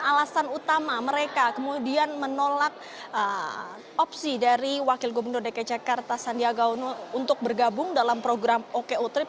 alasan utama mereka kemudian menolak opsi dari wakil gubernur dki jakarta sandiaga uno untuk bergabung dalam program oko trip